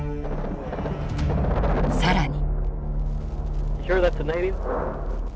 更に。